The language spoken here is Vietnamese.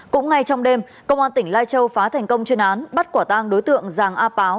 cũng ngay trong đêm công an tỉnh lai châu phá thành công chuyên án bắt quả tang đối tượng giàng a páo